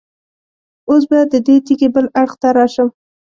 اوس به د دې تیږې بل اړخ ته راشم.